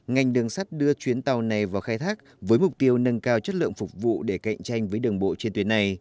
ngành đường sắt đưa chuyến tàu này vào khai thác với mục tiêu nâng cao chất lượng phục vụ để cạnh tranh với đường bộ trên tuyến này